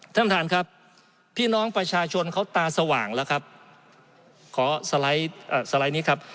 ท่านประธานครับพี่น้องประชาชนเขาตาสว่างแล้วครับขอสไลด์สไลด์นี้ครับ